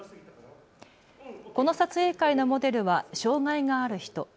この撮影会のモデルは障害がある人。